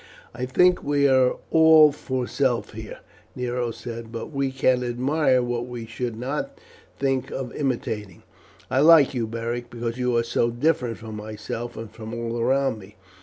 "I think we are all for self here," Nero said; "but we can admire what we should not think of imitating. I like you, Beric, because you are so different from myself and from all around me.